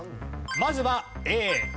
まずはＡ。